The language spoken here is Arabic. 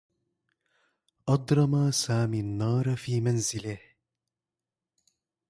أضرم سامي النّار في منزله.